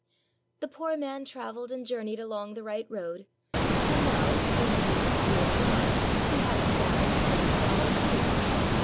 The poor man traveled and journeyed along the right road; and now, when he was hungry and dry, he had his bag, and his bottle too.